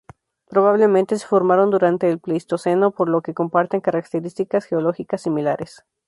Probablemente se formaron durante el Pleistoceno, por lo que comparten característica geológicas similares.